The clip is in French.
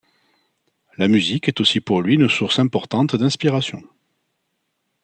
La musique est aussi pour lui une source importante d'inspiration.